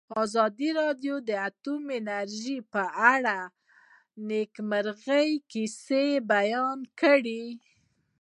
ازادي راډیو د اټومي انرژي په اړه د نېکمرغۍ کیسې بیان کړې.